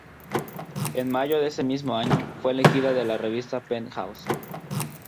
En mayo de ese mismo año fue elegida de la revista "Penthouse".